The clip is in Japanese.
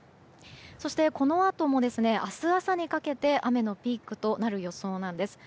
そして、このあとも明日朝にかけて雨のピークとなる予想です。